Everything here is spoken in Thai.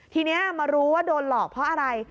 ทีนี้มารู้ว่าโดนหลอกเพราะอะไร